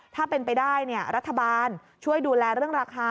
ถ้าเป็นไปได้รัฐบาลช่วยดูแลเรื่องราคา